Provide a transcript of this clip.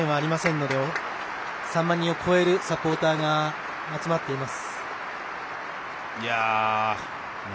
３万人を超えるサポーターが集まっています。